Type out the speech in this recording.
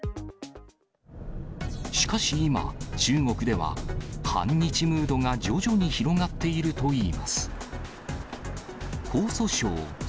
しかし今、中国では、反日ムードが徐々に広がっているといいます。